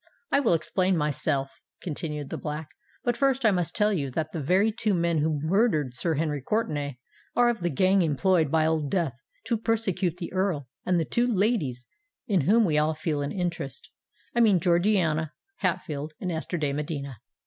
"I will explain myself," continued the Black. "But first I must tell you that the very two men who murdered Sir Henry Courtenay, are of the gang employed by Old Death to persecute the Earl and the two ladies in whom we all feel an interest—I mean Georgiana Hatfield and Esther de Medina."